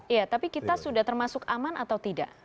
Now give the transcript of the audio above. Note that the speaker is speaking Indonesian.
iya tapi kita sudah termasuk aman atau tidak